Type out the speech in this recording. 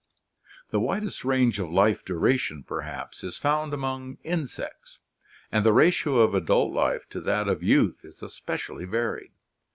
The widest range of life duration, perhaps, is found among insects, and the ratio of adult life to that of youth is especially varied.